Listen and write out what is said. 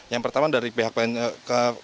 yang pertama dari pihak